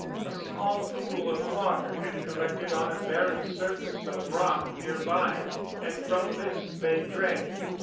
A small pool of water had collected on a barren surface of rock near by, and from this they drank.